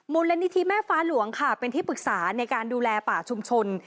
มูลนิธิแม่ฟ้าหลวงค่ะเป็นที่ปรึกษาในการดูแลป่าชุมชน